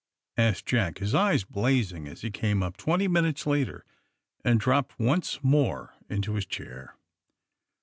asked Jack, his eyes blazing, as he came up, twenty minutes later, and dropped once more into his chair.